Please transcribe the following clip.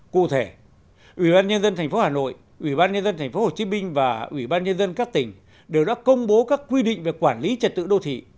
cụ thể ubnd tp hà nội ubnd tp hồ chí minh và ubnd các tỉnh đều đã công bố các quy định về quản lý trật tự đô thị